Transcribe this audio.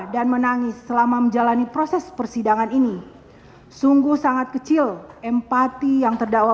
dan menangis selama menjalani proses persidangan ini sungguh sangat kecil empati yang terdakwa